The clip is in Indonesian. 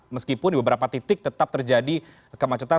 meskipun di beberapa titik tetap terjadi kemacetan